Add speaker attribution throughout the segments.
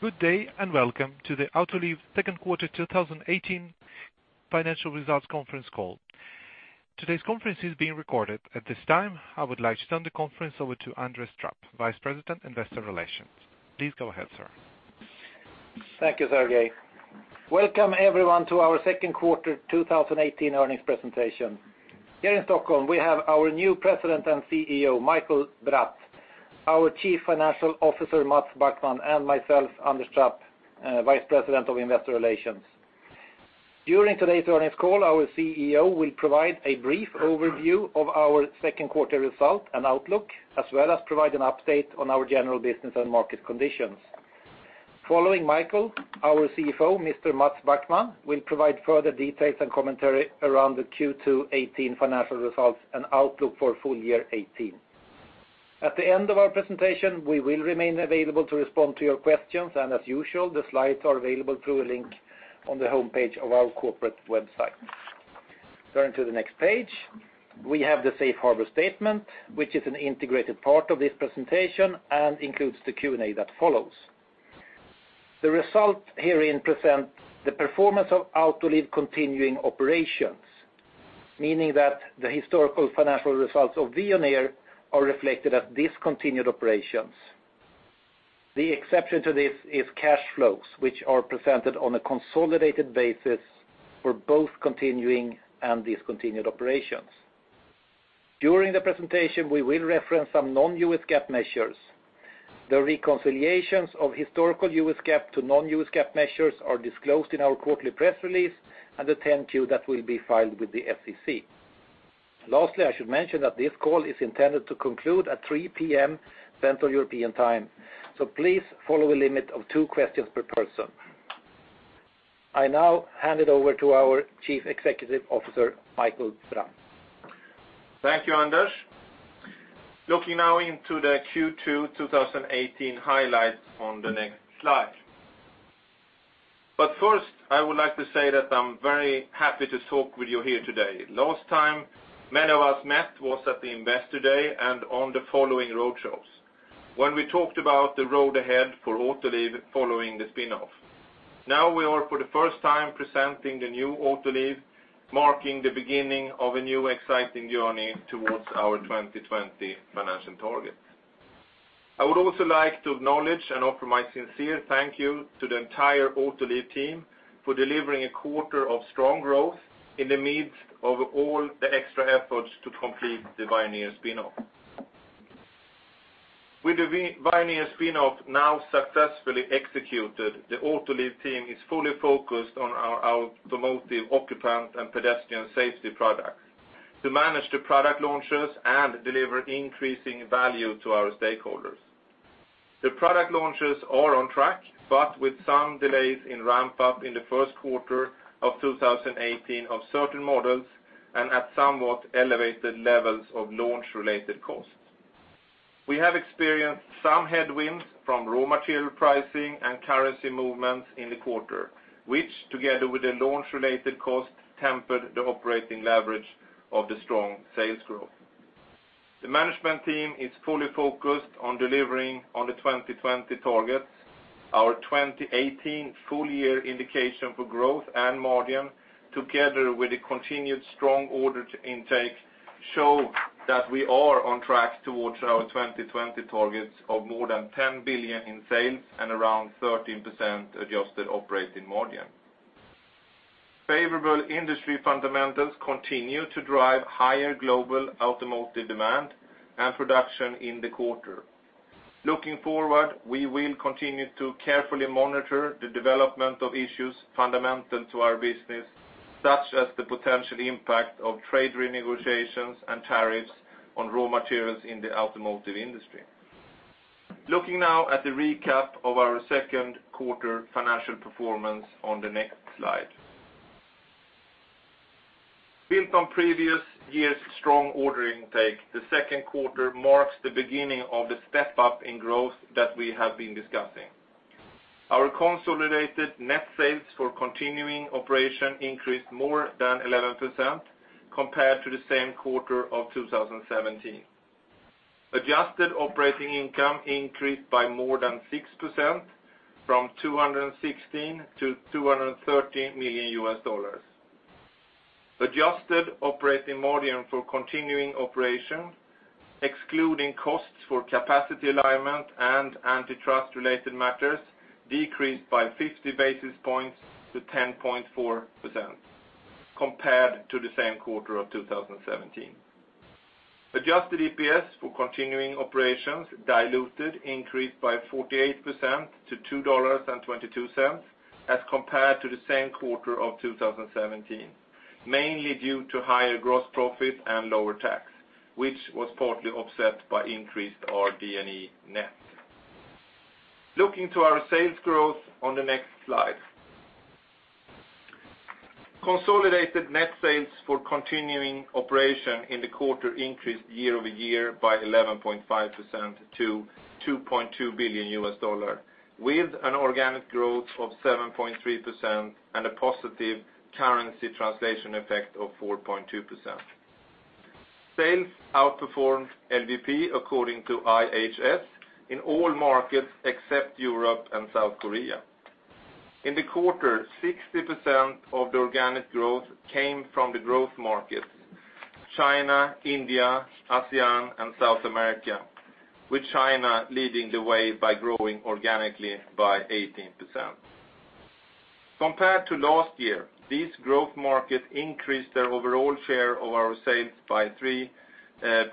Speaker 1: Good day. Welcome to the Autoliv second quarter 2018 financial results conference call. Today's conference is being recorded. At this time, I would like to turn the conference over to Anders Trapp, Vice President, Investor Relations. Please go ahead, sir.
Speaker 2: Thank you, Sergey. Welcome everyone to our second quarter 2018 earnings presentation. Here in Stockholm, we have our new President and CEO, Mikael Bratt, our Chief Financial Officer, Mats Backman, and myself, Anders Trapp, Vice President of Investor Relations. During today's earnings call, our CEO will provide a brief overview of our second quarter result and outlook, as well as provide an update on our general business and market conditions. Following Mikael, our CFO, Mr. Mats Backman, will provide further details and commentary around the Q2 '18 financial results and outlook for full year '18. At the end of our presentation, we will remain available to respond to your questions. As usual, the slides are available through a link on the homepage of our corporate website. Turning to the next page, we have the safe harbor statement, which is an integrated part of this presentation and includes the Q&A that follows. The result herein present the performance of Autoliv continuing operations, meaning that the historical financial results of Veoneer are reflected as discontinued operations. The exception to this is cash flows, which are presented on a consolidated basis for both continuing and discontinued operations. During the presentation, we will reference some non-U.S. GAAP measures. The reconciliations of historical U.S. GAAP to non-U.S. GAAP measures are disclosed in our quarterly press release and the 10-Q that will be filed with the SEC. Lastly, I should mention that this call is intended to conclude at 3:00 P.M. Central European Time. Please follow a limit of two questions per person. I now hand it over to our Chief Executive Officer, Mikael Bratt.
Speaker 3: Thank you, Anders. Looking now into the Q2 2018 highlights on the next slide. First, I would like to say that I'm very happy to talk with you here today. Last time many of us met was at the Investor Day and on the following road shows, when we talked about the road ahead for Autoliv following the spin-off. Now we are for the first time presenting the new Autoliv, marking the beginning of a new exciting journey towards our 2020 financial targets. I would also like to acknowledge and offer my sincere thank you to the entire Autoliv team for delivering a quarter of strong growth in the midst of all the extra efforts to complete the Veoneer spin-off. With the Veoneer spin-off now successfully executed, the Autoliv team is fully focused on our automotive occupant and pedestrian safety products to manage the product launches and deliver increasing value to our stakeholders. The product launches are on track, but with some delays in ramp-up in the first quarter of 2018 of certain models and at somewhat elevated levels of launch-related costs. We have experienced some headwinds from raw material pricing and currency movements in the quarter, which together with the launch-related cost, tempered the operating leverage of the strong sales growth. The management team is fully focused on delivering on the 2020 targets. Our 2018 full year indication for growth and margin, together with the continued strong orders intake, show that we are on track towards our 2020 targets of more than $10 billion in sales and around 13% adjusted operating margin. Favorable industry fundamentals continue to drive higher global automotive demand and production in the quarter. Looking forward, we will continue to carefully monitor the development of issues fundamental to our business, such as the potential impact of trade renegotiations and tariffs on raw materials in the automotive industry. Looking now at the recap of our second quarter financial performance on the next slide. Built on previous year's strong ordering intake, the second quarter marks the beginning of the step-up in growth that we have been discussing. Our consolidated net sales for continuing operation increased more than 11% compared to the same quarter of 2017. Adjusted operating income increased by more than 6%, from $216 million to $230 million. Adjusted operating margin for continuing operation, excluding costs for capacity alignment and antitrust-related matters, decreased by 50 basis points to 10.4% compared to the same quarter of 2017. Adjusted EPS for continuing operations diluted increased by 48% to $2.22 as compared to the same quarter of 2017, mainly due to higher gross profit and lower tax, which was partly offset by increased RD&E net. Looking to our sales growth on the next slide. Consolidated net sales for continuing operation in the quarter increased year-over-year by 11.5% to $2.2 billion, with an organic growth of 7.3% and a positive currency translation effect of 4.2%. Sales outperformed LVP according to IHS in all markets except Europe and South Korea. In the quarter, 60% of the organic growth came from the growth markets: China, India, ASEAN, and South America, with China leading the way by growing organically by 18%. Compared to last year, these growth markets increased their overall share of our sales by 3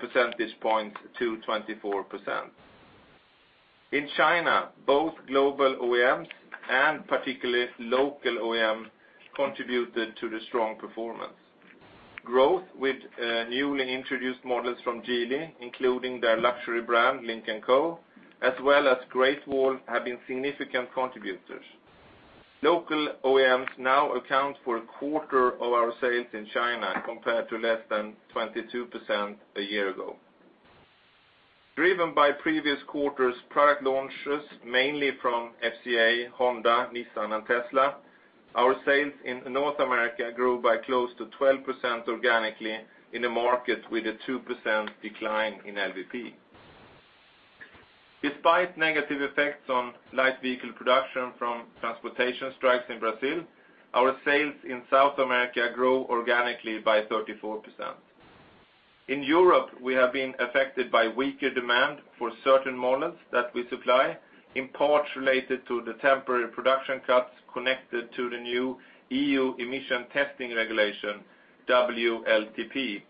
Speaker 3: percentage points to 24%. In China, both global OEMs and particularly local OEMs contributed to the strong performance. Growth with newly introduced models from Geely, including their luxury brand, Lynk & Co, as well as Great Wall, have been significant contributors. Local OEMs now account for a quarter of our sales in China compared to less than 22% a year ago. Driven by previous quarters product launches, mainly from FCA, Honda, Nissan, and Tesla, our sales in North America grew by close to 12% organically in a market with a 2% decline in LVP. Despite negative effects on light vehicle production from transportation strikes in Brazil, our sales in South America grew organically by 34%. In Europe, we have been affected by weaker demand for certain models that we supply, in part related to the temporary production cuts connected to the new EU emission testing regulation, WLTP,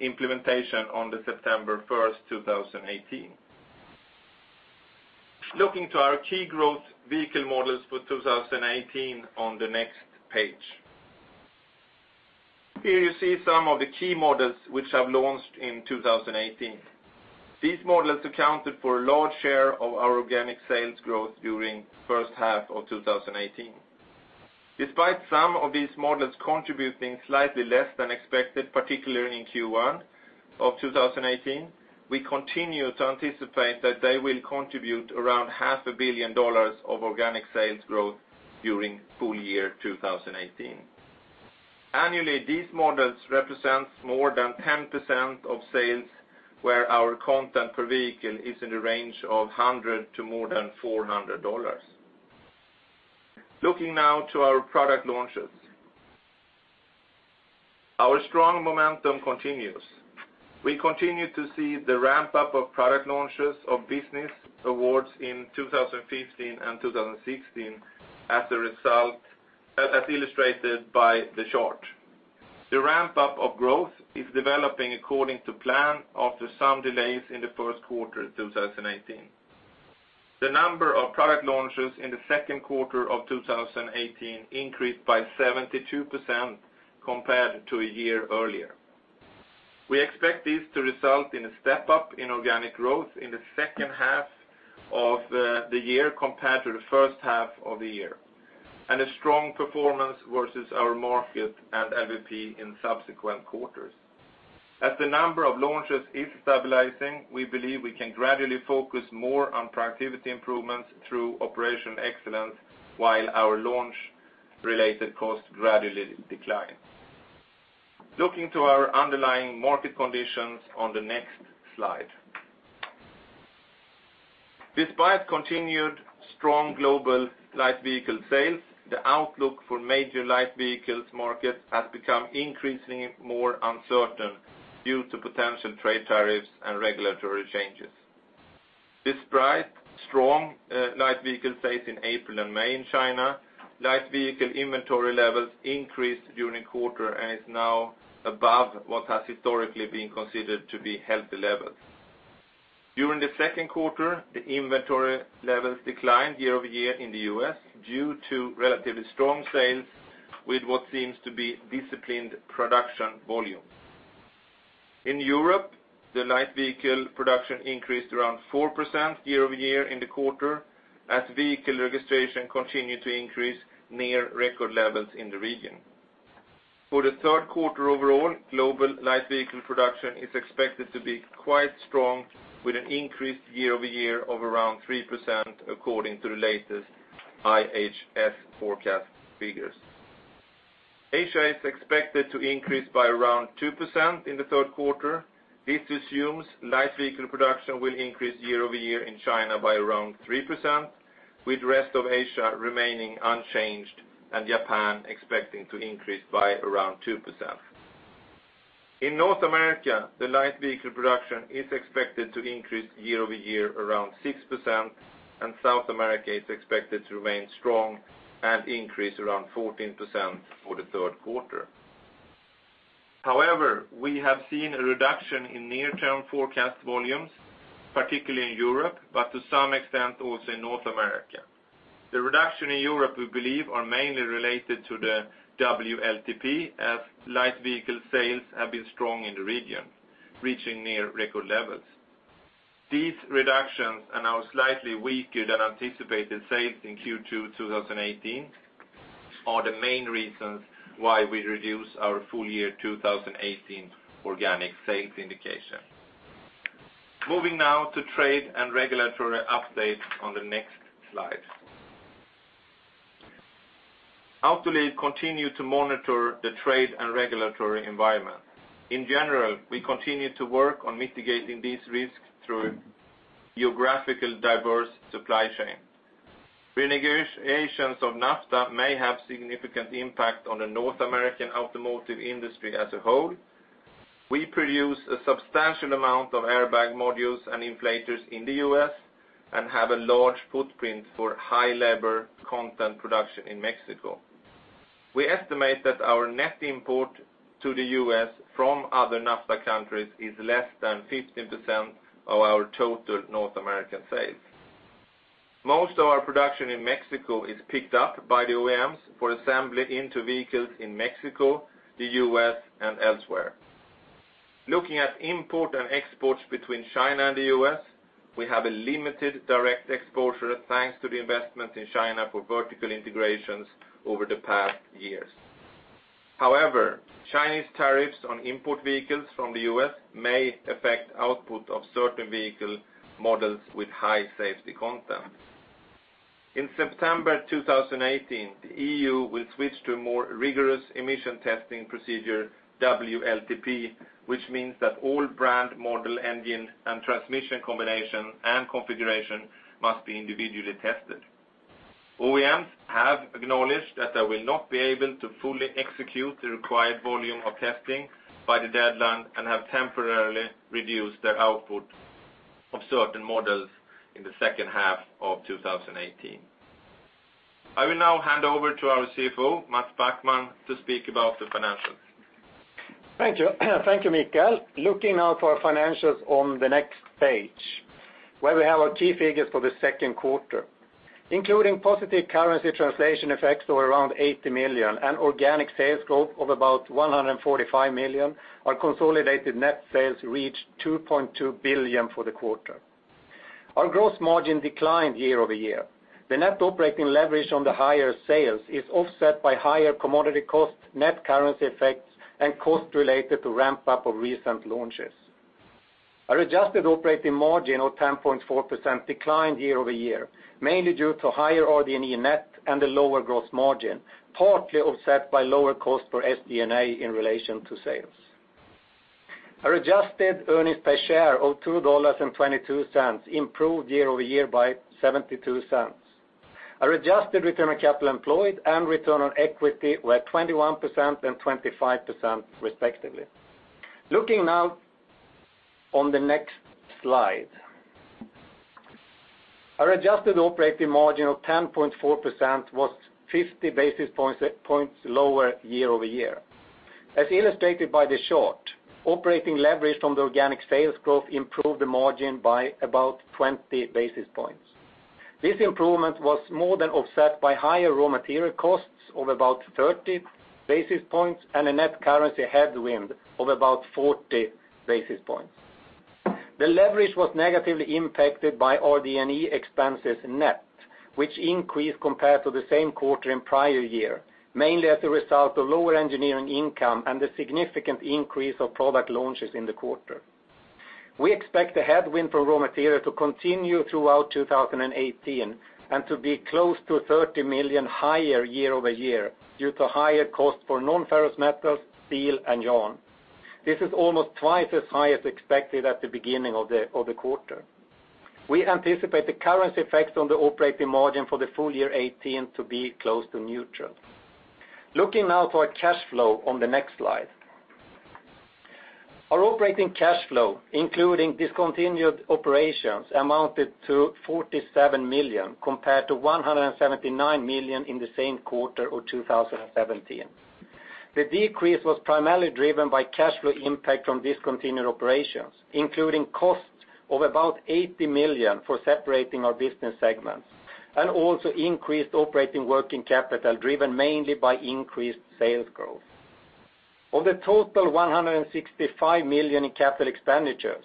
Speaker 3: implementation on the September 1st, 2018. Looking to our key growth vehicle models for 2018 on the next page. Here you see some of the key models which have launched in 2018. These models accounted for a large share of our organic sales growth during first half of 2018. Despite some of these models contributing slightly less than expected, particularly in Q1 of 2018, we continue to anticipate that they will contribute around half a billion dollars of organic sales growth during full year 2018. Annually, these models represent more than 10% of sales, where our content per vehicle is in the range of $100 to more than $400. Looking now to our product launches. Our strong momentum continues. We continue to see the ramp-up of product launches of business awards in 2015 and 2016 as illustrated by the chart. The ramp-up of growth is developing according to plan after some delays in the first quarter 2018. The number of product launches in the second quarter of 2018 increased by 72% compared to a year-earlier. We expect this to result in a step-up in organic growth in the second half of the year compared to the first half of the year, and a strong performance versus our market and LVP in subsequent quarters. As the number of launches is stabilizing, we believe we can gradually focus more on productivity improvements through operational excellence while our launch related costs gradually decline. Looking to our underlying market conditions on the next slide. Despite continued strong global light vehicle sales, the outlook for major light vehicles markets has become increasingly more uncertain due to potential trade tariffs and regulatory changes. Despite strong light vehicle sales in April and May in China, light vehicle inventory levels increased during the quarter and is now above what has historically been considered to be healthy levels. During the second quarter, the inventory levels declined year-over-year in the U.S. due to relatively strong sales with what seems to be disciplined production volumes. In Europe, the light vehicle production increased around 4% year-over-year in the quarter as vehicle registration continued to increase near record levels in the region. For the third quarter overall, global light vehicle production is expected to be quite strong with an increase year-over-year of around 3% according to the latest IHS forecast figures. Asia is expected to increase by around 2% in the third quarter. This assumes light vehicle production will increase year-over-year in China by around 3%, with rest of Asia remaining unchanged and Japan expecting to increase by around 2%. In North America, the light vehicle production is expected to increase year-over-year around 6%, and South America is expected to remain strong and increase around 14% for the third quarter. We have seen a reduction in near-term forecast volumes, particularly in Europe, but to some extent also in North America. The reduction in Europe, we believe, are mainly related to the WLTP as light vehicle sales have been strong in the region, reaching near record levels. These reductions and our slightly weaker than anticipated sales in Q2 2018 are the main reasons why we reduce our full year 2018 organic sales indication. Moving now to trade and regulatory updates on the next slide. Autoliv continues to monitor the trade and regulatory environment. In general, we continue to work on mitigating these risks through geographically diverse supply chain. Renegotiations of NAFTA may have significant impact on the North American automotive industry as a whole. We produce a substantial amount of airbag modules and inflators in the U.S. and have a large footprint for high labor content production in Mexico. We estimate that our net import to the U.S. from other NAFTA countries is less than 15% of our total North American sales. Most of our production in Mexico is picked up by the OEMs for assembly into vehicles in Mexico, the U.S., and elsewhere. Looking at import and exports between China and the U.S., we have a limited direct exposure, thanks to the investment in China for vertical integrations over the past years. However, Chinese tariffs on import vehicles from the U.S. may affect output of certain vehicle models with high safety content. In September 2018, the EU will switch to a more rigorous emission testing procedure, WLTP, which means that all brand, model, engine, and transmission combination and configuration must be individually tested. OEMs have acknowledged that they will not be able to fully execute the required volume of testing by the deadline and have temporarily reduced their output of certain models in the second half of 2018. I will now hand over to our CFO, Mats Backman, to speak about the financials.
Speaker 4: Thank you, Mikael. Looking now to our financials on the next page, where we have our key figures for the second quarter. Including positive currency translation effects of around $80 million and organic sales growth of about $145 million, our consolidated net sales reached $2.2 billion for the quarter. Our gross margin declined year-over-year. The net operating leverage on the higher sales is offset by higher commodity costs, net currency effects, and costs related to ramp-up of recent launches. Our adjusted operating margin of 10.4% declined year-over-year, mainly due to higher RD&E net and a lower gross margin, partly offset by lower cost for SG&A in relation to sales. Our adjusted earnings per share of $2.22 improved year-over-year by $0.72. Our adjusted return on capital employed and return on equity were 21% and 25% respectively. Looking now on the next slide. Our adjusted operating margin of 10.4% was 50 basis points lower year-over-year. As illustrated by this chart, operating leverage from the organic sales growth improved the margin by about 20 basis points. This improvement was more than offset by higher raw material costs of about 30 basis points and a net currency headwind of about 40 basis points. The leverage was negatively impacted by RD&E expenses net, which increased compared to the same quarter in prior year, mainly as a result of lower engineering income and the significant increase of product launches in the quarter. We expect the headwind for raw material to continue throughout 2018 and to be close to $30 million higher year-over-year due to higher cost for non-ferrous metals, steel, and yarn. This is almost twice as high as expected at the beginning of the quarter. We anticipate the currency effects on the operating margin for the full year 2018 to be close to neutral. Looking now to our cash flow on the next slide. Our operating cash flow, including discontinued operations, amounted to $47 million, compared to $179 million in the same quarter of 2017. The decrease was primarily driven by cash flow impact from discontinued operations, including costs of about $80 million for separating our business segments and also increased operating working capital, driven mainly by increased sales growth. Of the total $165 million in capital expenditures,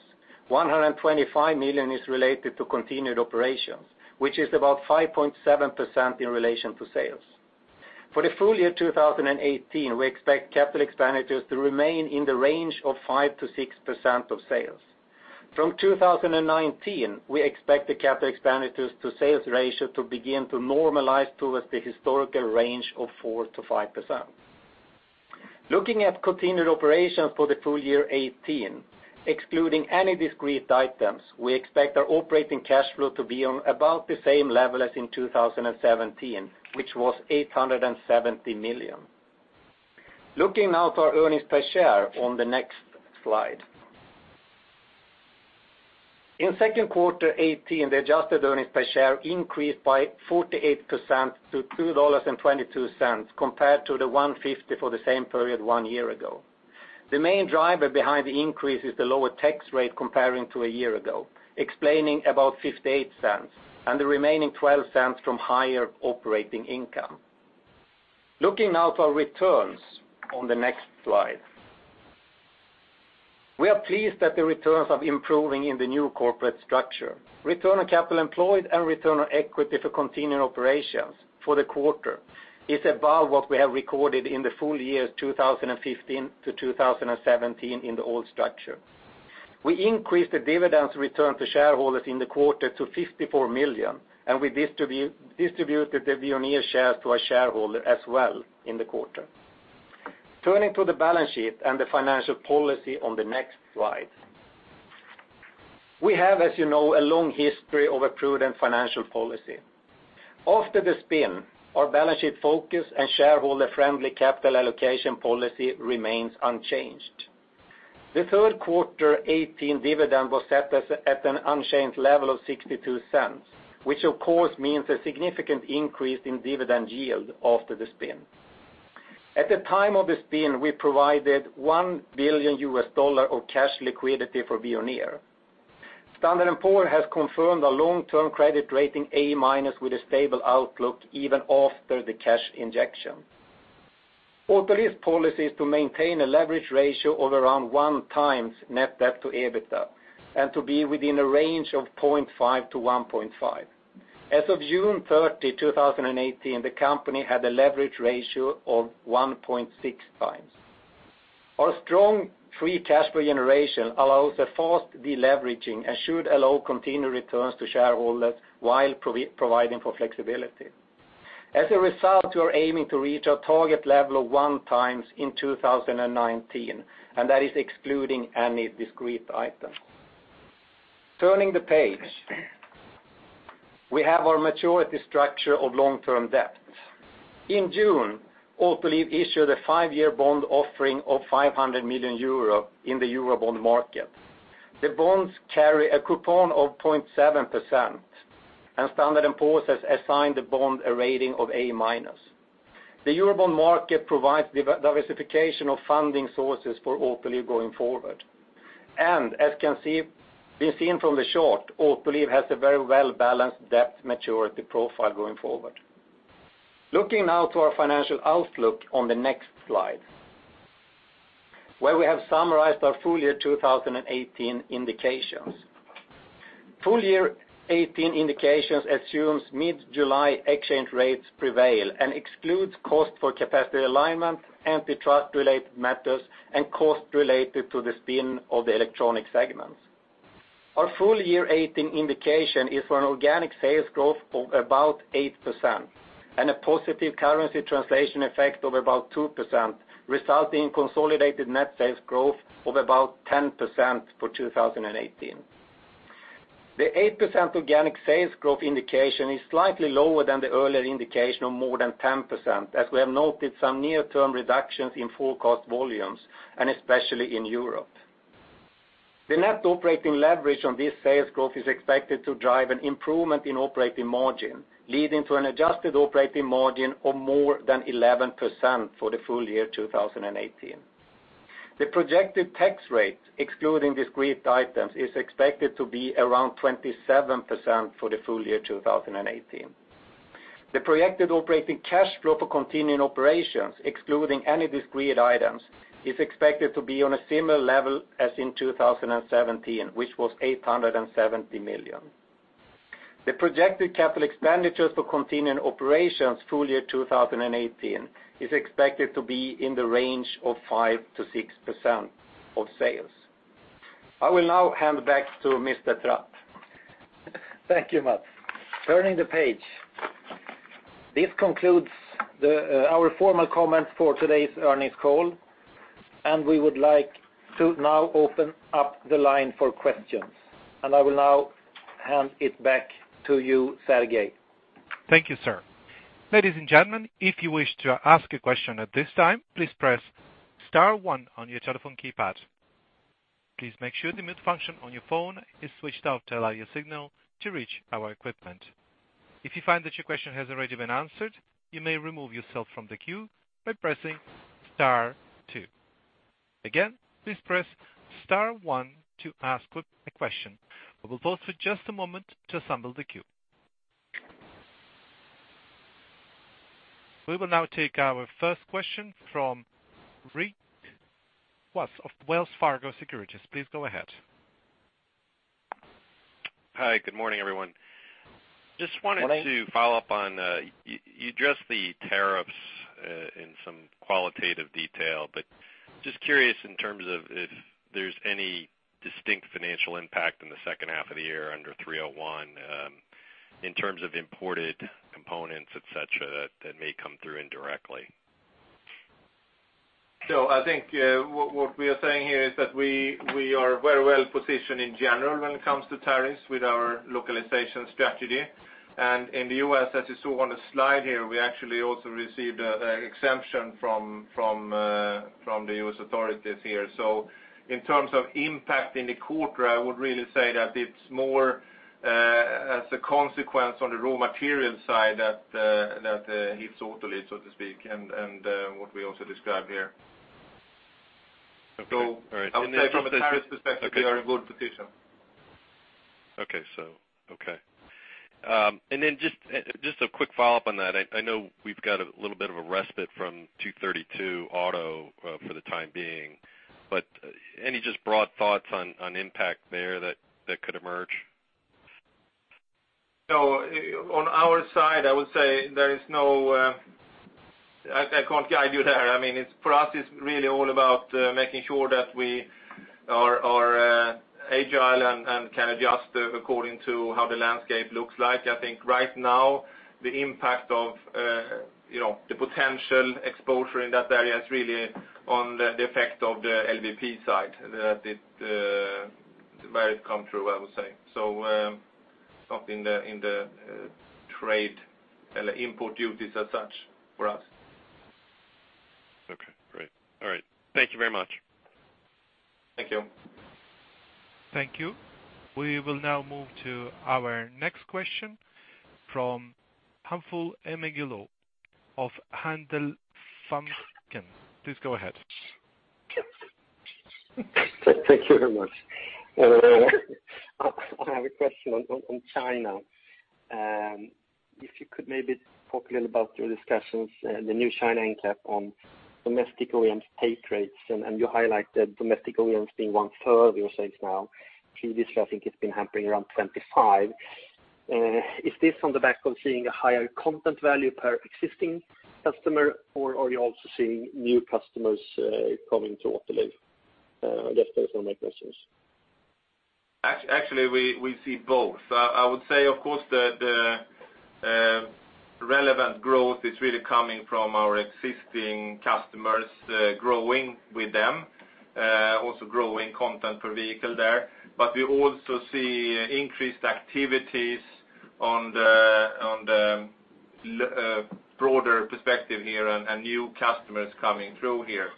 Speaker 4: $125 million is related to continued operations, which is about 5.7% in relation to sales. For the full year 2018, we expect capital expenditures to remain in the range of 5%-6% of sales. From 2019, we expect the capital expenditures to sales ratio to begin to normalize towards the historical range of 4%-5%. Looking at continued operations for the full year 2018, excluding any discrete items, we expect our operating cash flow to be on about the same level as in 2017, which was $870 million. Looking now to our earnings per share on the next slide. In second quarter 2018, the adjusted earnings per share increased by 48% to $2.22 compared to the $1.50 for the same period one year ago. The main driver behind the increase is the lower tax rate comparing to a year ago, explaining about $0.58, and the remaining $0.12 from higher operating income. Looking now to our returns on the next slide. We are pleased that the returns are improving in the new corporate structure. Return on capital employed and return on equity for continued operations for the quarter is above what we have recorded in the full years 2015-2017 in the old structure. We increased the dividends return to shareholders in the quarter to $54 million, and we distributed the Veoneer shares to our shareholder as well in the quarter. Turning to the balance sheet and the financial policy on the next slide. We have, as you know, a long history of a prudent financial policy. After the spin, our balance sheet focus and shareholder-friendly capital allocation policy remains unchanged. The third quarter 2018 dividend was set at an unchanged level of $0.62, which of course means a significant increase in dividend yield after the spin. At the time of the spin, we provided $1 billion of cash liquidity for Veoneer. Standard & Poor's has confirmed a long-term credit rating A- with a stable outlook even after the cash injection. Autoliv's policy is to maintain a leverage ratio of around one times net debt to EBITDA and to be within a range of 0.5-1.5. As of June 30, 2018, the company had a leverage ratio of 1.6 times. Our strong free cash flow generation allows a fast de-leveraging and should allow continued returns to shareholders while providing for flexibility. As a result, we are aiming to reach our target level of one times in 2019, and that is excluding any discrete item. Turning the page, we have our maturity structure of long-term debt. In June, Autoliv issued a five-year bond offering of 500 million euro in the Eurobond market. The bonds carry a coupon of 0.7%, and Standard & Poor's has assigned the bond a rating of A-. The Eurobond market provides diversification of funding sources for Autoliv going forward. As can be seen from the chart, Autoliv has a very well-balanced debt maturity profile going forward. Looking now to our financial outlook on the next slide, where we have summarized our full year 2018 indications. Full year 2018 indications assumes mid-July exchange rates prevail and excludes cost for capacity alignment, antitrust-related matters, and cost related to the spin of the electronic segments. Our full year 2018 indication is for an organic sales growth of about 8% and a positive currency translation effect of about 2%, resulting in consolidated net sales growth of about 10% for 2018. The 8% organic sales growth indication is slightly lower than the earlier indication of more than 10%, as we have noted some near-term reductions in forecast volumes and especially in Europe. The net operating leverage on this sales growth is expected to drive an improvement in operating margin, leading to an adjusted operating margin of more than 11% for the full year 2018. The projected tax rate, excluding discrete items, is expected to be around 27% for the full year 2018. The projected operating cash flow for continuing operations, excluding any discrete items, is expected to be on a similar level as in 2017, which was $870 million. The projected capital expenditures for continuing operations full year 2018 is expected to be in the range of 5%-6% of sales. I will now hand back to Mr. Trapp.
Speaker 2: Thank you, Mats. Turning the page. This concludes our formal comments for today's earnings call, and we would like to now open up the line for questions. I will now hand it back to you, Sergey.
Speaker 1: Thank you, sir. Ladies and gentlemen, if you wish to ask a question at this time, please press *1 on your telephone keypad. Please make sure the mute function on your phone is switched off to allow your signal to reach our equipment. If you find that your question has already been answered, you may remove yourself from the queue by pressing *2. Again, please press *1 to ask a question. We will pause for just a moment to assemble the queue. We will now take our first question from Rich Kwas of Wells Fargo Securities. Please go ahead.
Speaker 5: Hi. Good morning, everyone.
Speaker 2: Good morning.
Speaker 5: Just wanted to follow up on, you addressed the tariffs in some qualitative detail, but just curious in terms of if there's any distinct financial impact in the second half of the year under 301, in terms of imported components, et cetera, that may come through indirectly.
Speaker 4: I think what we are saying here is that we are very well-positioned in general when it comes to tariffs with our localization strategy. In the U.S., as you saw on the slide here, we actually also received an exemption from the U.S. authorities here. In terms of impact in the quarter, I would really say that it's more as a consequence on the raw material side that hits Autoliv, so to speak, and what we also described here.
Speaker 5: Okay. All right.
Speaker 4: I would say from a tariff perspective.
Speaker 5: Okay
Speaker 4: We are in a good position.
Speaker 5: Okay. Just a quick follow-up on that. I know we've got a little bit of a respite from 232 auto for the time being, but any just broad thoughts on impact there that could emerge?
Speaker 3: On our side, I would say I can't guide you there. For us, it's really all about making sure that we are agile and can adjust according to how the landscape looks like. I think right now the impact of the potential exposure in that area is really on the effect of the LVP side, where it come through, I would say. Not in the trade import duties as such for us.
Speaker 5: Okay, great. All right. Thank you very much.
Speaker 3: Thank you.
Speaker 1: Thank you. We will now move to our next question from Hampus Engellau of Handelsbanken. Please go ahead.
Speaker 6: Thank you very much. I have a question on China. If you could maybe talk a little about your discussions, the new China NCAP on domestic OEMs take rates, and you highlight the domestic OEMs being one third, you're saying now. Previously, I think it's been hovering around 25%. Is this on the back of seeing a higher content value per existing customer, or are you also seeing new customers coming to Autoliv? I guess those are my questions.
Speaker 3: Actually, we see both. I would say, of course, the relevant growth is really coming from our existing customers, growing with them, also growing content per vehicle there. We also see increased activities on the broader perspective here and new customers coming through here.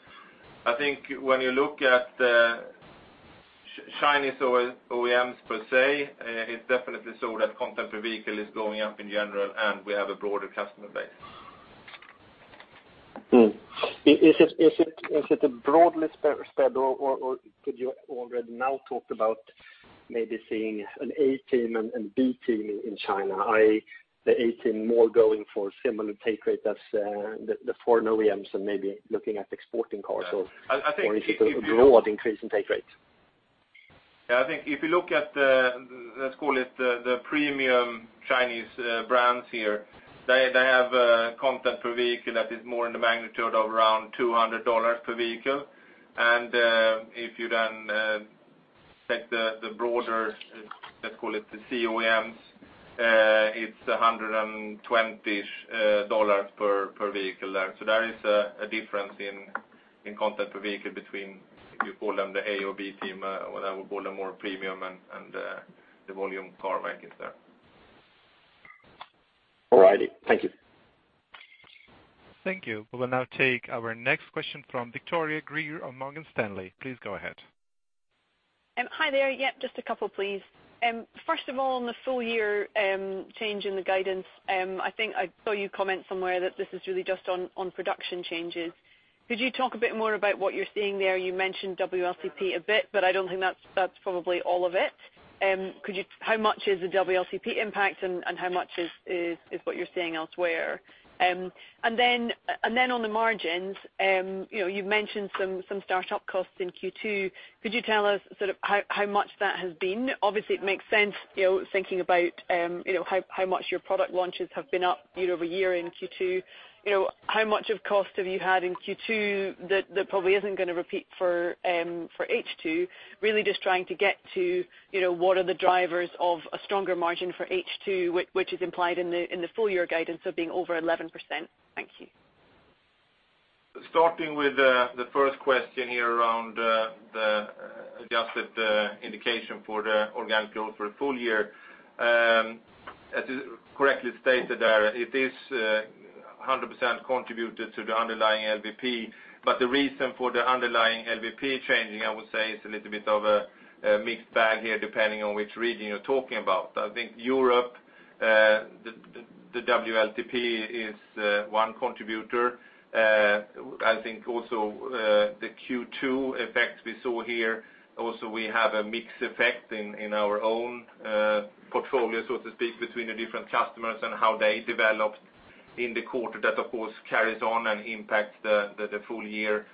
Speaker 3: I think when you look at the Chinese OEMs per se, it's definitely so that content per vehicle is going up in general, and we have a broader customer base.
Speaker 6: Is it a broadly spread, or could you already now talk about maybe seeing an A team and B team in China, i.e., the A team more going for similar take rate as the foreign OEMs and maybe looking at exporting cars, or is it a broad increase in take rates?
Speaker 3: I think if you look at, let's call it the premium Chinese brands here, they have a content per vehicle that is more in the magnitude of around $200 per vehicle. If you then take the broader, let's call it the COMs, it's $120-ish per vehicle there. There is a difference in content per vehicle between, if you call them the A or B team, what I would call a more premium and the volume car makers there.
Speaker 6: All righty. Thank you.
Speaker 1: Thank you. We will now take our next question from Victoria Greer of Morgan Stanley. Please go ahead.
Speaker 7: Hi there. Just a couple, please. First of all, on the full year change in the guidance, I think I saw you comment somewhere that this is really just on production changes. Could you talk a bit more about what you're seeing there? You mentioned WLTP a bit, but I don't think that's probably all of it. How much is the WLTP impact, and how much is what you're seeing elsewhere? On the margins, you've mentioned some startup costs in Q2. Could you tell us how much that has been? Obviously, it makes sense, thinking about how much your product launches have been up year-over-year in Q2. How much of cost have you had in Q2 that probably isn't going to repeat for H2? Really just trying to get to what are the drivers of a stronger margin for H2, which is implied in the full year guidance of being over 11%. Thank you.
Speaker 3: Starting with the first question here around the adjusted indication for the organic growth for full year. As you correctly stated there, it is 100% contributed to the underlying LVP. The reason for the underlying LVP changing, I would say, is a little bit of a mixed bag here, depending on which region you are talking about. I think Europe, the WLTP is one contributor. I think also the Q2 effect we saw here, also we have a mixed effect in our own portfolio, so to speak, between the different customers and how they developed in the quarter. That, of course, carries on and impacts the full year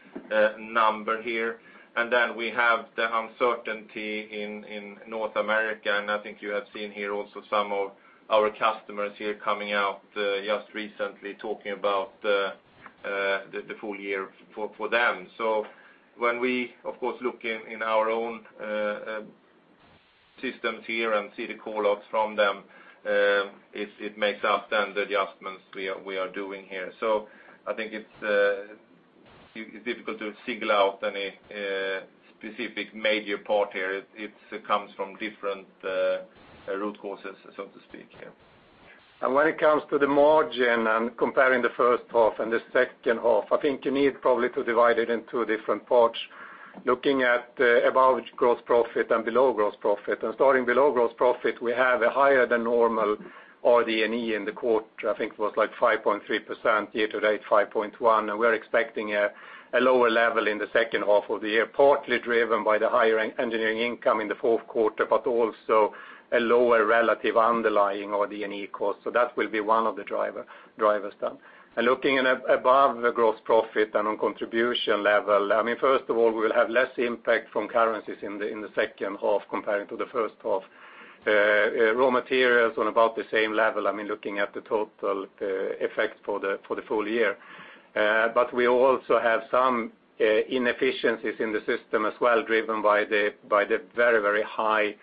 Speaker 3: number here. Then we have the uncertainty in North America, and I think you have seen here also some of our customers here coming out just recently talking about the full year for them. When we, of course, look in our own systems here and see the call outs from them, it makes us then the adjustments we are doing here. I think it is difficult to single out any specific major part here. It comes from different root causes, so to speak. When it comes to the margin and comparing the first half and the second half, I think you need probably to divide it in two different parts. Looking at above gross profit and below gross profit, starting below gross profit, we have a higher than normal RD&E in the quarter. I think it was like 5.3%, year to date 5.1%, and we are expecting a lower level in the second half of the year, partly driven by the higher engineering income in the fourth quarter, but also a lower relative underlying RD&E cost. That will be one of the drivers there. Looking above the gross profit and on contribution level, first of all, we will have less impact from currencies in the second half comparing to the first half.
Speaker 4: The raw materials on about the same level, looking at the total effect for the full year. We also have some inefficiencies in the system as well, driven by the very high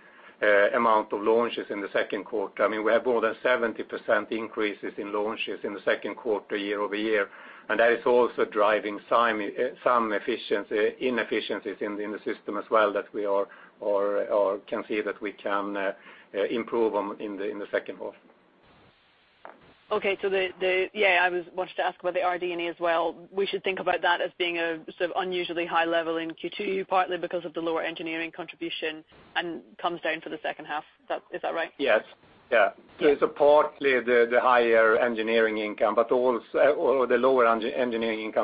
Speaker 4: amount of launches in the second quarter. We have more than 70% increases in launches in the second quarter year-over-year, that is also driving some inefficiencies in the system as well that we can see that we can improve on in the second half.
Speaker 7: I wanted to ask about the RD&E as well. We should think about that as being a sort of unusually high level in Q2, partly because of the lower engineering contribution and comes down for the second half. Is that right?
Speaker 4: Yes.
Speaker 7: Okay.
Speaker 4: Partly the lower engineering income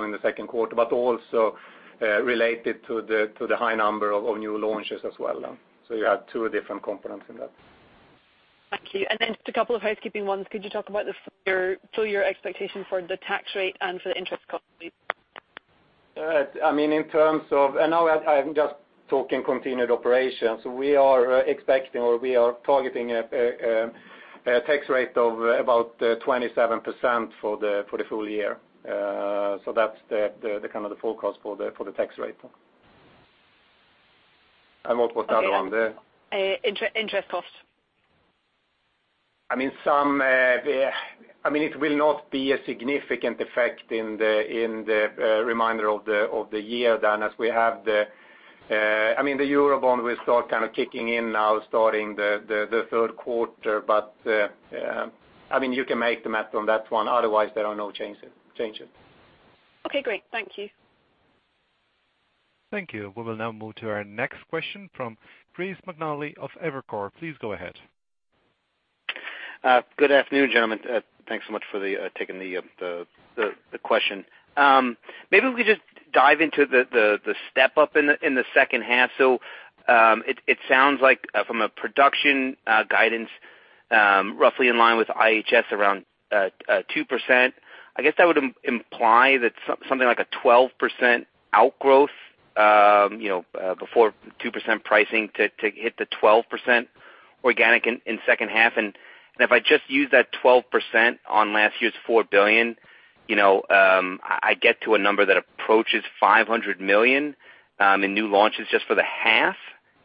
Speaker 4: in the second quarter, but also related to the high number of new launches as well. You have two different components in that.
Speaker 7: Thank you. Just a couple of housekeeping ones. Could you talk about your full year expectation for the tax rate and for the interest cost, please?
Speaker 4: Now I'm just talking continued operations. We are expecting or we are targeting a tax rate of about 27% for the full year. That's the kind of the forecast for the tax rate. What's the other one there?
Speaker 7: Interest cost.
Speaker 4: It will not be a significant effect in the remainder of the year as we have the Eurobond will start kind of kicking in now, starting the third quarter. You can make the math on that one. Otherwise, there are no changes.
Speaker 7: Okay, great. Thank you.
Speaker 1: Thank you. We will now move to our next question from Chris McNally of Evercore. Please go ahead.
Speaker 8: Good afternoon, gentlemen. Thanks so much for taking the question. Maybe we could just dive into the step-up in the second half. It sounds like from a production guidance, roughly in line with IHS, around 2%. I guess that would imply that something like a 12% outgrowth before 2% pricing to hit the 12% organic in second half. If I just use that 12% on last year's $4 billion, I get to a number that approaches $500 million in new launches just for the half.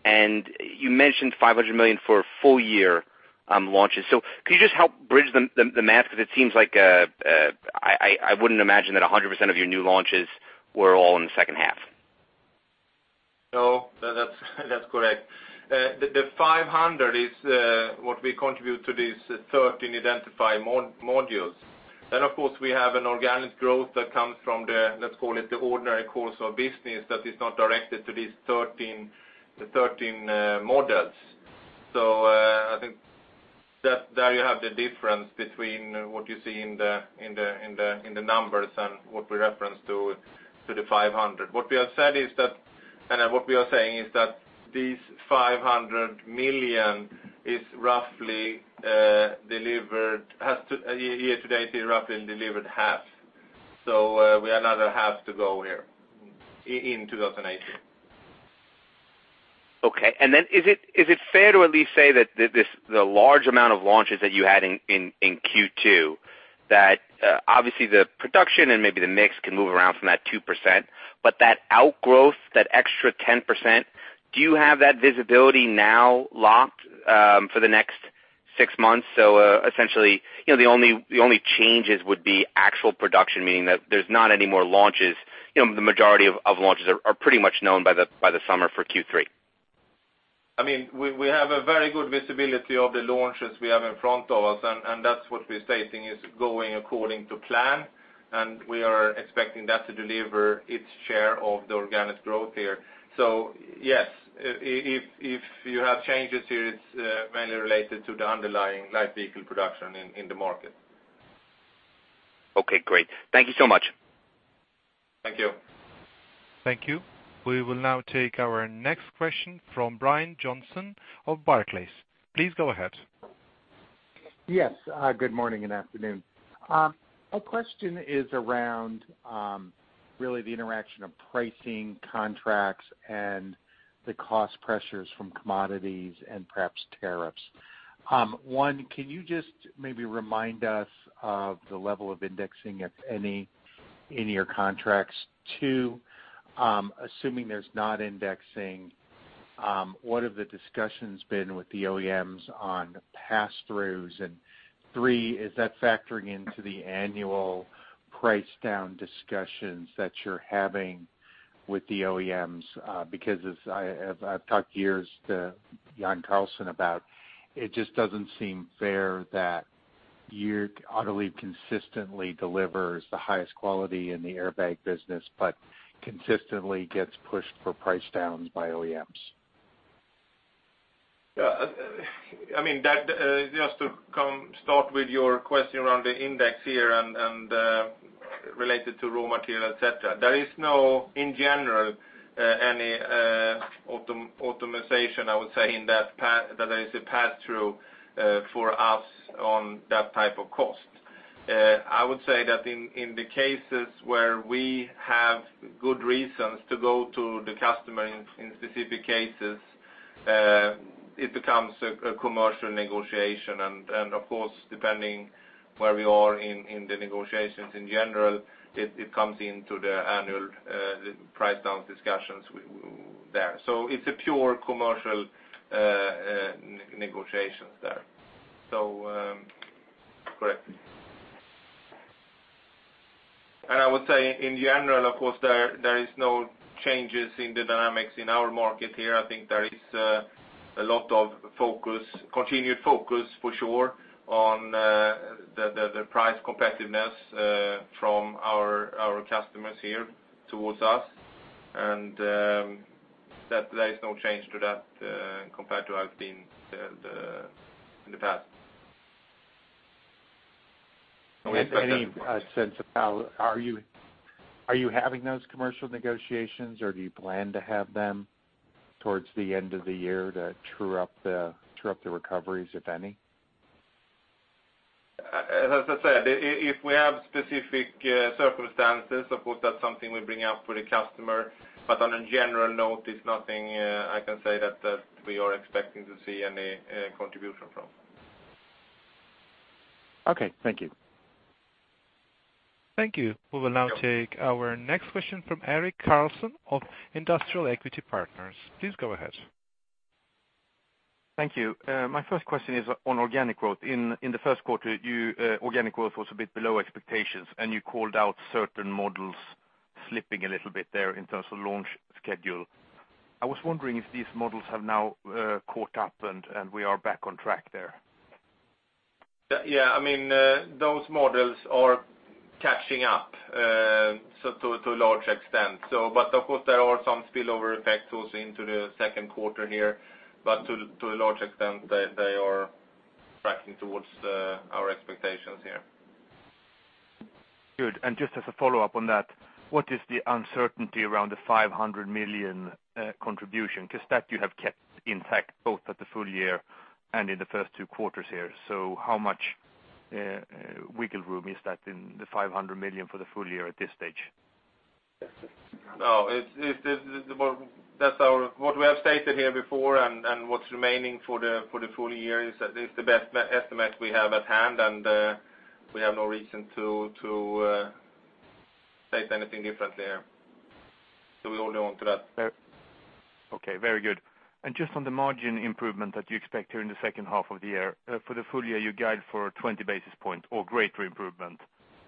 Speaker 8: You mentioned $500 million for full year launches. Could you just help bridge the math? Because it seems like I wouldn't imagine that 100% of your new launches were all in the second half.
Speaker 4: No, that's correct. The $500 is what we contribute to these 13 identified modules. Of course, we have an organic growth that comes from the, let's call it, the ordinary course of business that is not directed to these 13 modules. I think there you have the difference between what you see in the numbers and what we reference to the $500. What we are saying is that these $500 million is roughly delivered, year to date is roughly delivered half. We have another half to go here in 2018.
Speaker 8: Okay. Is it fair to at least say that the large amount of launches that you had in Q2, that obviously the production and maybe the mix can move around from that 2%, but that outgrowth, that extra 10%, do you have that visibility now locked for the next six months? Essentially, the only changes would be actual production, meaning that there's not any more launches, the majority of launches are pretty much known by the summer for Q3.
Speaker 4: We have a very good visibility of the launches we have in front of us, and that's what we're stating is going according to plan, and we are expecting that to deliver its share of the organic growth here. Yes, if you have changes here, it's mainly related to the underlying light vehicle production in the market.
Speaker 8: Okay, great. Thank you so much.
Speaker 4: Thank you.
Speaker 1: Thank you. We will now take our next question from Brian Johnson of Barclays. Please go ahead.
Speaker 9: Yes. Good morning and afternoon. My question is around really the interaction of pricing contracts and the cost pressures from commodities and perhaps tariffs. 1, can you just maybe remind us of the level of indexing, if any, in your contracts? 2, assuming there's not indexing, what have the discussions been with the OEMs on passthroughs? 3, is that factoring into the annual price down discussions that you're having with the OEMs? Because as I've talked years to Jan Carlson about, it just doesn't seem fair that Autoliv consistently delivers the highest quality in the airbag business, but consistently gets pushed for price downs by OEMs.
Speaker 4: Just to start with your question around the index here and related to raw material, et cetera. There is no, in general, any automatization, I would say, in that there is a pass-through for us on that type of cost.
Speaker 3: I would say that in the cases where we have good reasons to go to the customer in specific cases, it becomes a commercial negotiation. Of course, depending where we are in the negotiations in general, it comes into the annual price down discussions there. It's a pure commercial negotiation there. Correct. I would say in general, of course, there is no changes in the dynamics in our market here. I think there is a lot of continued focus for sure on the price competitiveness from our customers here towards us, and that there is no change to that compared to how it's been in the past.
Speaker 9: Are you having those commercial negotiations or do you plan to have them towards the end of the year to true up the recoveries, if any?
Speaker 3: As I said, if we have specific circumstances, of course, that's something we bring up with the customer. On a general note, it's nothing I can say that we are expecting to see any contribution from.
Speaker 9: Okay, thank you.
Speaker 1: Thank you. We will now take our next question from Erik Karlsson of Industrial Equity Partners. Please go ahead.
Speaker 10: Thank you. My first question is on organic growth. In the first quarter, organic growth was a bit below expectations, and you called out certain models slipping a little bit there in terms of launch schedule. I was wondering if these models have now caught up and we are back on track there.
Speaker 3: Yeah, those models are catching up to a large extent. Of course, there are some spillover effects also into the second quarter here. To a large extent, they are tracking towards our expectations here.
Speaker 10: Good. Just as a follow-up on that, what is the uncertainty around the $500 million contribution? Because that you have kept intact both at the full year and in the first two quarters here. How much wiggle room is that in the $500 million for the full year at this stage?
Speaker 3: What we have stated here before and what's remaining for the full year is the best estimate we have at hand. We have no reason to state anything different there. We will hold on to that.
Speaker 10: Okay, very good. Just on the margin improvement that you expect here in the second half of the year. For the full year, you guide for 20 basis point or greater improvement,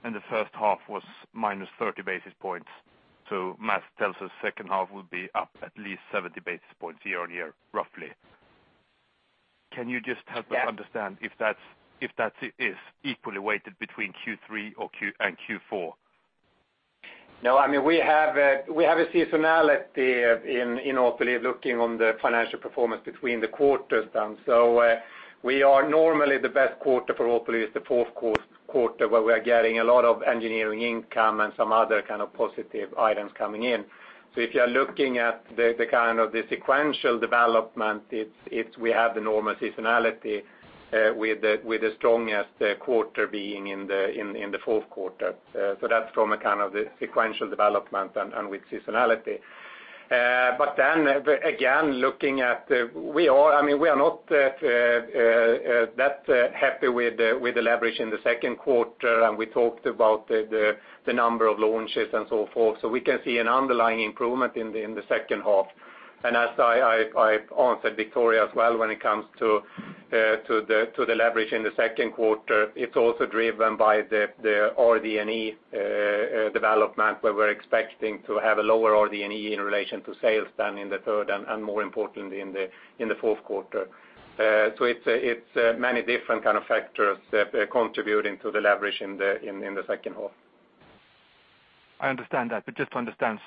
Speaker 10: and the first half was -30 basis points. Math tells us second half will be up at least 70 basis points year-over-year, roughly. Can you just help us understand if that is equally weighted between Q3 and Q4?
Speaker 3: No, we have a seasonality in Autoliv looking on the financial performance between the quarters then. Normally the best quarter for Autoliv is the fourth quarter, where we are getting a lot of engineering income and some other kind of positive items coming in. If you are looking at the kind of the sequential development, we have the normal seasonality with the strongest quarter being in the fourth quarter. That's from a kind of the sequential development and with seasonality. Again, we are not that happy with the leverage in the second quarter. We talked about the number of launches and so forth. We can see an underlying improvement in the second half. As I answered Victoria as well, when it comes to the leverage in the second quarter, it's also driven by the RD&E development, where we're expecting to have a lower RD&E in relation to sales than in the third and more importantly, in the fourth quarter. It's many different kind of factors contributing to the leverage in the second half.
Speaker 10: I understand that. Just to understand,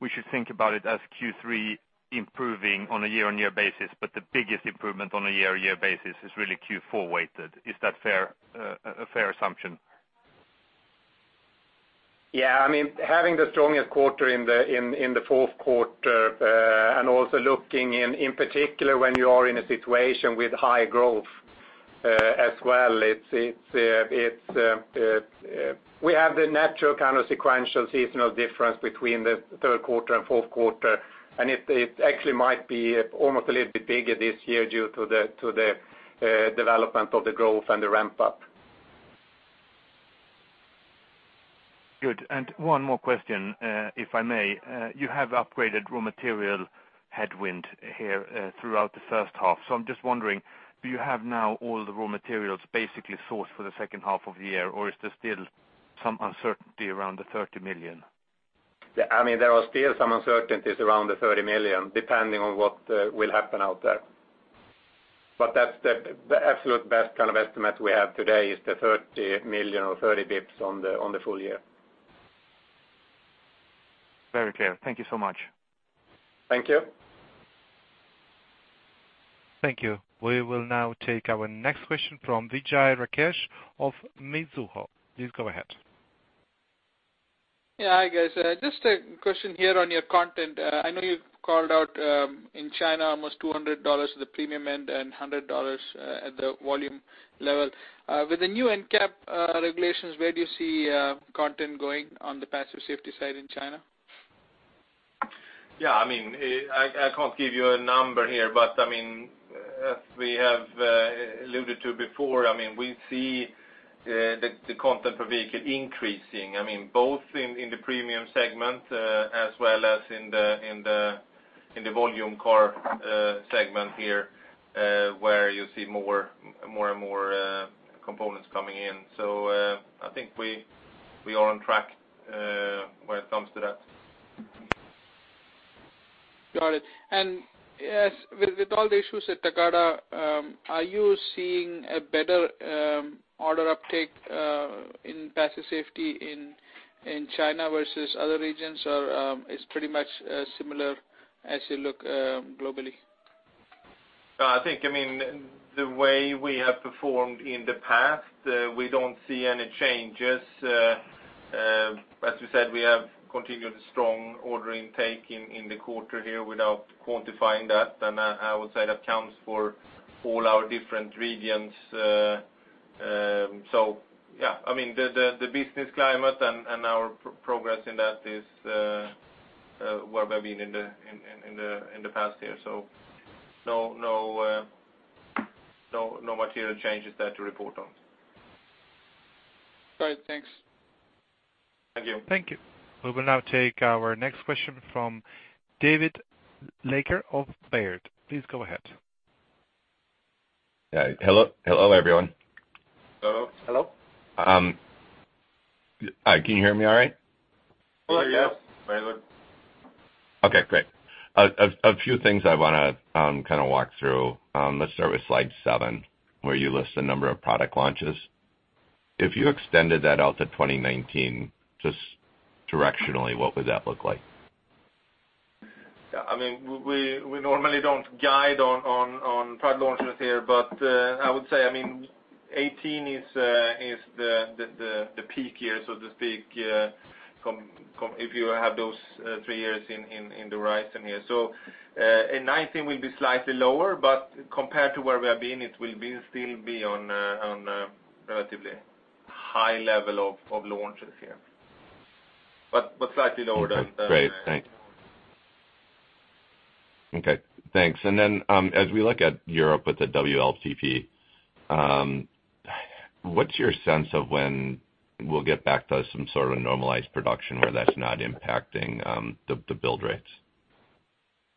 Speaker 10: we should think about it as Q3 improving on a year-on-year basis, but the biggest improvement on a year-on-year basis is really Q4 weighted. Is that a fair assumption?
Speaker 3: Having the strongest quarter in the fourth quarter and also looking in particular when you are in a situation with high growth as well, we have the natural kind of sequential seasonal difference between the third quarter and fourth quarter, and it actually might be almost a little bit bigger this year due to the development of the growth and the ramp up.
Speaker 10: One more question, if I may. You have upgraded raw material headwind here throughout the first half. I'm just wondering, do you have now all the raw materials basically sourced for the second half of the year, or is there still some uncertainty around the $30 million?
Speaker 3: There are still some uncertainties around the $30 million, depending on what will happen out there. The absolute best kind of estimate we have today is the $30 million or 30 basis points on the full year.
Speaker 10: Very clear. Thank you so much.
Speaker 3: Thank you.
Speaker 1: Thank you. We will now take our next question from Vijay Rakesh of Mizuho. Please go ahead.
Speaker 11: Yeah. Hi, guys. Just a question here on your content. I know you called out in China almost $200 at the premium end and $100 at the volume level. With the new NCAP regulations, where do you see content going on the passive safety side in China?
Speaker 3: Yeah. I can't give you a number here, but as we have alluded to before, we see the content per vehicle increasing, both in the premium segment as well as in the volume car segment here, where you see more and more components coming in. I think we are on track when it comes to that.
Speaker 11: Got it. As with all the issues at Takata, are you seeing a better order uptake in passive safety in China versus other regions, or it's pretty much similar as you look globally?
Speaker 3: I think, the way we have performed in the past, we don't see any changes. As we said, we have continued a strong order intake in the quarter here without quantifying that. I would say that counts for all our different regions. Yeah, the business climate and our progress in that is where we've been in the past year. No material changes there to report on.
Speaker 11: Got it. Thanks.
Speaker 3: Thank you.
Speaker 1: Thank you. We will now take our next question from David Leiker of Baird. Please go ahead.
Speaker 12: Yeah. Hello, everyone.
Speaker 3: Hello. Hello.
Speaker 12: Can you hear me all right?
Speaker 3: Yes. Very good.
Speaker 12: Okay, great. A few things I want to kind of walk through. Let's start with slide seven, where you list the number of product launches. If you extended that out to 2019, just directionally, what would that look like?
Speaker 3: Yeah. We normally don't guide on product launches here, I would say, 2018 is the peak year, so to speak, if you have those three years in the horizon here. 2019 will be slightly lower, Compared to where we have been, it will still be on a relatively high level of launches here. Slightly lower than.
Speaker 12: Okay, great. Thanks. Okay, thanks. As we look at Europe with the WLTP, what's your sense of when we'll get back to some sort of normalized production where that's not impacting the build rates?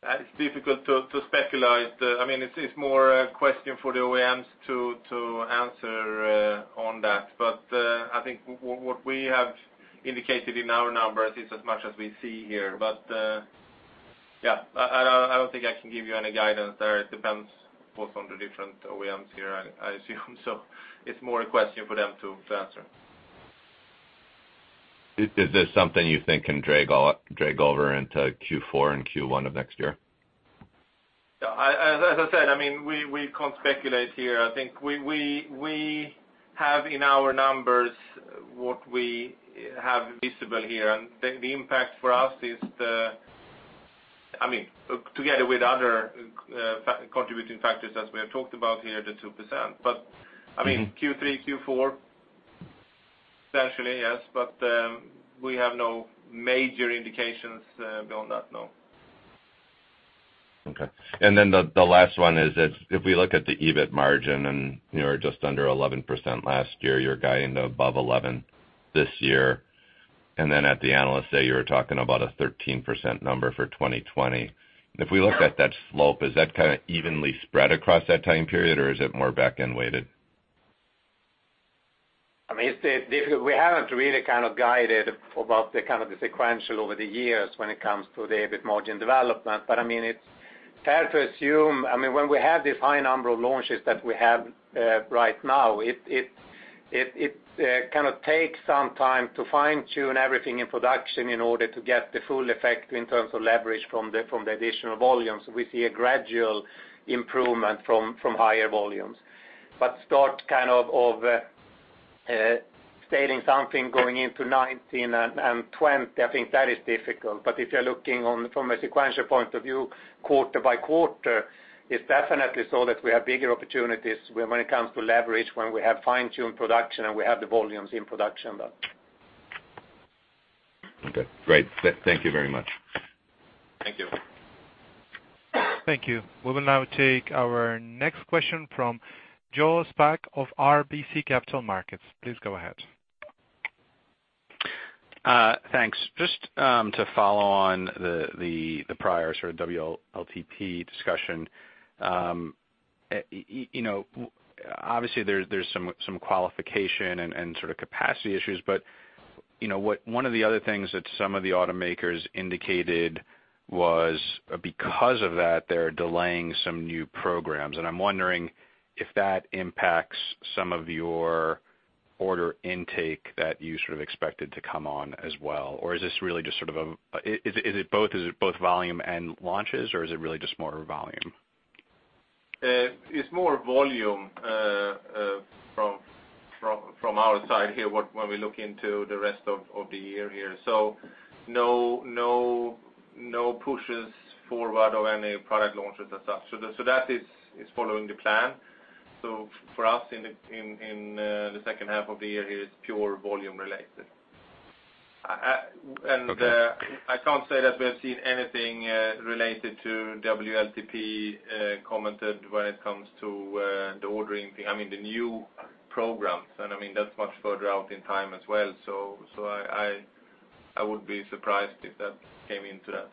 Speaker 3: That is difficult to speculate. It's more a question for the OEMs to answer on that. I think what we have indicated in our numbers is as much as we see here. Yeah, I don't think I can give you any guidance there. It depends both on the different OEMs here, I assume. It's more a question for them to answer.
Speaker 12: Is this something you think can drag over into Q4 and Q1 of next year?
Speaker 3: Yeah. As I said, we can't speculate here. I think we have in our numbers what we have visible here, the impact for us is, together with other contributing factors as we have talked about here, the 2%. Q3, Q4, essentially, yes. We have no major indications beyond that, no.
Speaker 12: Okay. Then the last one is, if we look at the EBIT margin, and you were just under 11% last year, you're guiding above 11% this year, then at the Analyst Day, you were talking about a 13% number for 2020. If we look at that slope, is that kind of evenly spread across that time period, or is it more back-end weighted?
Speaker 3: We haven't really kind of guided about the kind of the sequential over the years when it comes to the EBIT margin development. It's fair to assume, when we have this high number of launches that we have right now, it kind of takes some time to fine-tune everything in production in order to get the full effect in terms of leverage from the additional volumes. We see a gradual improvement from higher volumes. Start kind of stating something going into 2019 and 2020, I think that is difficult. If you're looking from a sequential point of view, quarter by quarter, it's definitely so that we have bigger opportunities when it comes to leverage, when we have fine-tuned production, and we have the volumes in production then.
Speaker 12: Okay, great. Thank you very much.
Speaker 3: Thank you.
Speaker 1: Thank you. We will now take our next question from Joseph Spak of RBC Capital Markets. Please go ahead.
Speaker 13: Thanks. Just to follow on the prior sort of WLTP discussion. Obviously, there's some qualification and sort of capacity issues, one of the other things that some of the automakers indicated was because of that, they're delaying some new programs. I'm wondering if that impacts some of your order intake that you sort of expected to come on as well. Is it both volume and launches, or is it really just more volume?
Speaker 3: It's more volume from our side here, when we look into the rest of the year here. No pushes forward of any product launches as such. That is following the plan. For us in the second half of the year here, it's pure volume related.
Speaker 13: Okay.
Speaker 3: I can't say that we have seen anything related to WLTP commented when it comes to the ordering, I mean, the new programs. That's much further out in time as well. I would be surprised if that came into that.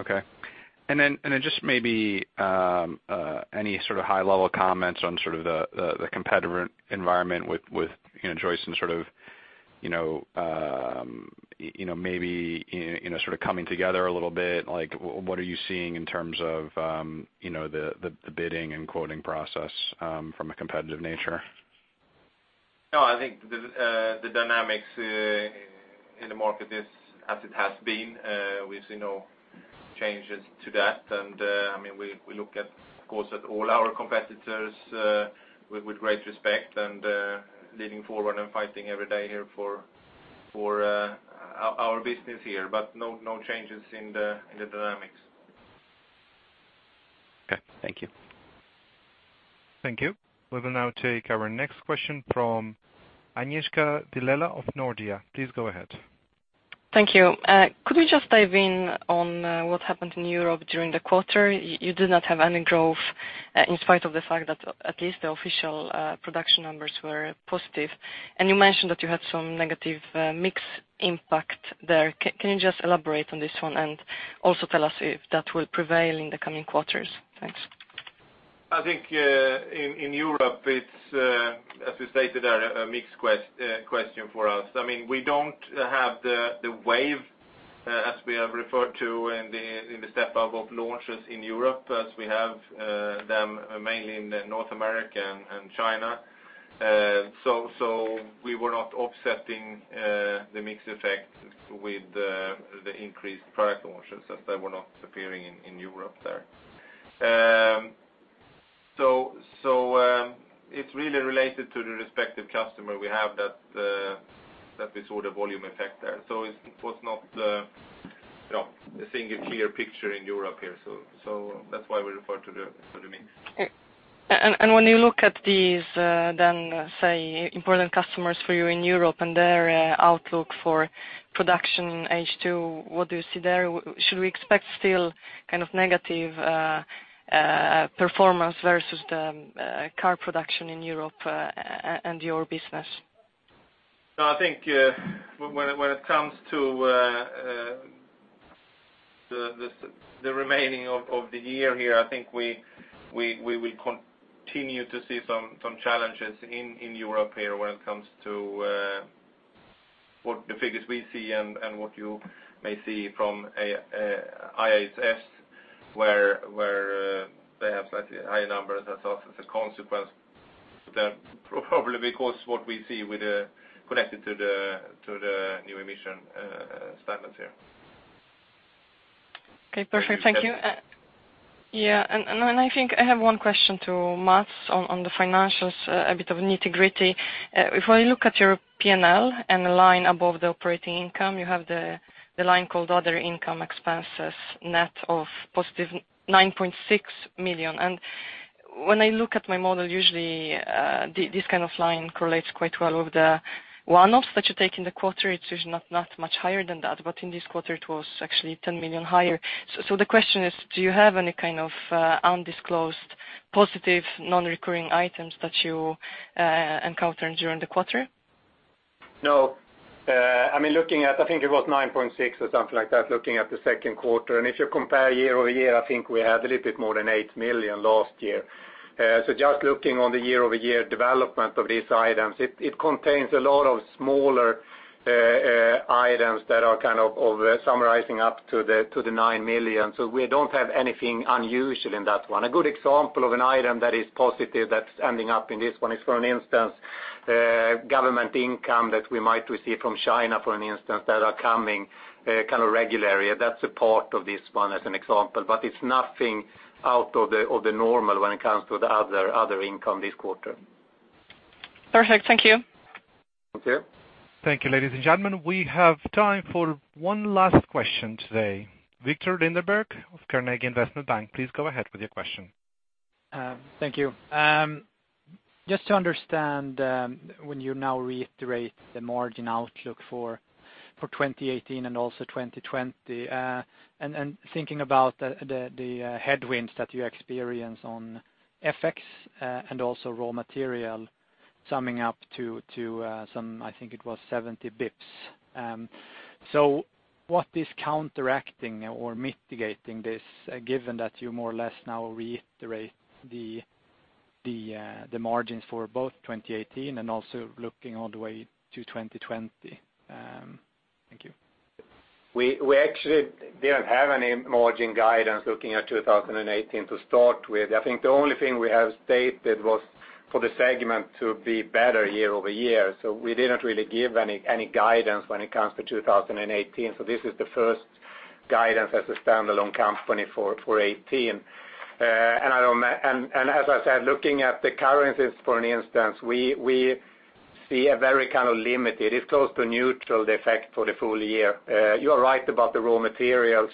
Speaker 13: Okay. Then just maybe any sort of high level comments on sort of the competitive environment with Joyson and sort of maybe coming together a little bit. What are you seeing in terms of the bidding and quoting process from a competitive nature?
Speaker 3: No, I think the dynamics in the market is as it has been. We've seen no changes to that. We look at, of course, at all our competitors with great respect and leaning forward and fighting every day here for our business here. No changes in the dynamics.
Speaker 13: Okay. Thank you.
Speaker 1: Thank you. We will now take our next question from Agnieszka Vilela of Nordea. Please go ahead.
Speaker 14: Thank you. Could we just dive in on what happened in Europe during the quarter? You did not have any growth in spite of the fact that at least the official production numbers were positive. You mentioned that you had some negative mix impact there. Can you just elaborate on this one and also tell us if that will prevail in the coming quarters? Thanks.
Speaker 3: I think in Europe it's, as we stated there, a mixed question for us. We don't have the wave, as we have referred to in the step-up of launches in Europe, as we have them mainly in North America and China. We were not offsetting the mix effects with the increased product launches, as they were not appearing in Europe there. It's really related to the respective customer we have that we saw the volume effect there. It was not seeing a clear picture in Europe here. That's why we refer to the mix.
Speaker 14: Okay. When you look at these then, say, important customers for you in Europe and their outlook for production H2, what do you see there? Should we expect still kind of negative performance versus the car production in Europe and your business?
Speaker 3: No, I think when it comes to the remaining of the year here, I think we will continue to see some challenges in Europe here when it comes to what the figures we see and what you may see from IHS, where they have slightly higher numbers as a consequence. Probably because what we see connected to the new emission standards here.
Speaker 14: Okay, perfect. Thank you.
Speaker 1: Agnieszka Vilela-
Speaker 14: Yeah. Then I think I have one question to Mats on the financials, a bit of nitty-gritty. If I look at your P&L and the line above the operating income, you have the line called other income expenses, net of positive 9.6 million. When I look at my model, usually this kind of line correlates quite well with the one-offs that you take in the quarter. It's usually not much higher than that, but in this quarter it was actually 10 million higher. The question is, do you have any kind of undisclosed positive non-recurring items that you encountered during the quarter?
Speaker 4: No. Looking at, I think it was 9.6 or something like that, looking at the second quarter. If you compare year-over-year, I think we had a little bit more than 8 million last year. Just looking on the year-over-year development of these items, it contains a lot of smaller items that are kind of summarizing up to the 9 million. We don't have anything unusual in that one. A good example of an item that is positive that's ending up in this one is, for instance, government income that we might receive from China, for instance, that are coming kind of regularly. That's a part of this one as an example, but it's nothing out of the normal when it comes to the other income this quarter.
Speaker 14: Perfect. Thank you.
Speaker 4: Okay.
Speaker 1: Thank you, ladies and gentlemen. We have time for one last question today. Viktor Lindeberg of Carnegie Investment Bank. Please go ahead with your question.
Speaker 15: Thank you. Just to understand when you now reiterate the margin outlook for 2018 and also 2020, and thinking about the headwinds that you experience on FX and also raw material summing up to some, I think it was 70 basis points. What is counteracting or mitigating this, given that you more or less now reiterate the margins for both 2018 and also looking all the way to 2020? Thank you.
Speaker 3: We actually didn't have any margin guidance looking at 2018 to start with. I think the only thing we have stated was.
Speaker 4: For the segment to be better year-over-year. We didn't really give any guidance when it comes to 2018. This is the first guidance as a standalone company for 2018. As I said, looking at the currencies for instance, we see a very kind of limited, it's close to neutral, the effect for the full year. You are right about the raw materials,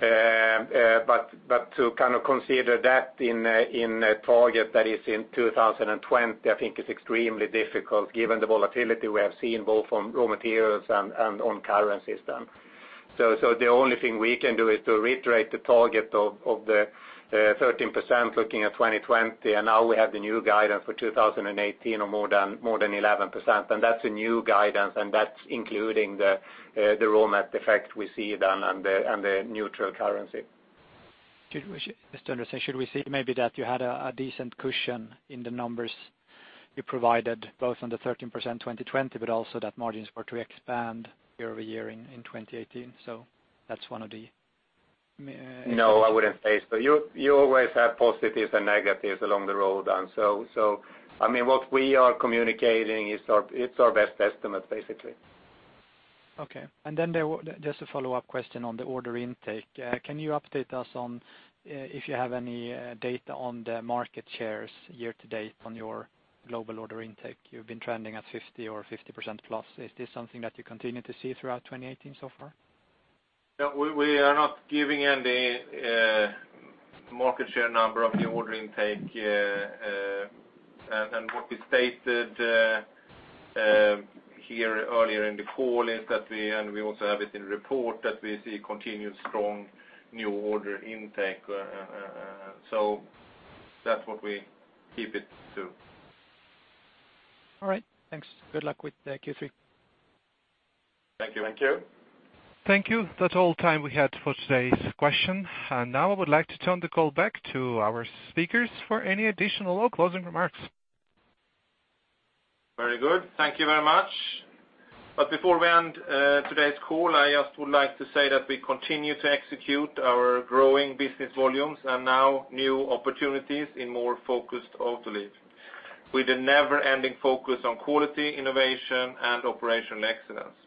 Speaker 4: but to consider that in a target that is in 2020, I think is extremely difficult given the volatility we have seen both on raw materials and on currencies then. The only thing we can do is to reiterate the target of the 13% looking at 2020, and now we have the new guidance for 2018 or more than 11%. That's a new guidance, and that's including the raw mat effect we see then, and the neutral currency.
Speaker 15: Good. Mats Backman, should we see maybe that you had a decent cushion in the numbers you provided, both on the 13% 2020, but also that margins were to expand year-over-year in 2018? That's one of the-
Speaker 4: No, I wouldn't say so. You always have positives and negatives along the road, what we are communicating, it's our best estimate, basically.
Speaker 15: Okay. Then just a follow-up question on the order intake. Can you update us on if you have any data on the market shares year-to-date on your global order intake? You've been trending at 50 or 50% plus. Is this something that you continue to see throughout 2018 so far?
Speaker 4: No. We are not giving any market share number of new order intake. What we stated here earlier in the call is that we, and we also have it in report, that we see continued strong new order intake. That's what we keep it to.
Speaker 15: All right, thanks. Good luck with Q3.
Speaker 4: Thank you.
Speaker 1: Thank you. That's all time we had for today's question, and now I would like to turn the call back to our speakers for any additional or closing remarks.
Speaker 3: Very good. Thank you very much. Before we end today's call, I just would like to say that we continue to execute our growing business volumes, and now new opportunities in more focused Autoliv. With a never-ending focus on quality, innovation, and operational excellence.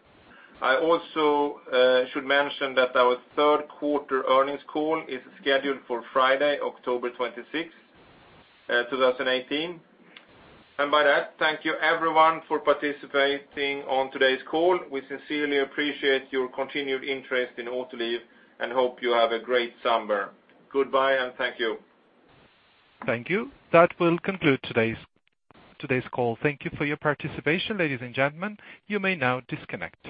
Speaker 3: I also should mention that our third quarter earnings call is scheduled for Friday, October 26th, 2018. By that, thank you everyone for participating on today's call. We sincerely appreciate your continued interest in Autoliv and hope you have a great summer. Goodbye, and thank you.
Speaker 1: Thank you. That will conclude today's call. Thank you for your participation, ladies and gentlemen. You may now disconnect.